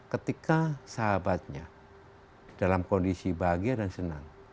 ketika sahabatnya dalam kondisi bahagia dan senang